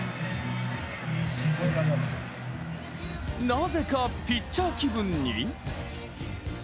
なぜかピッチャー気分に？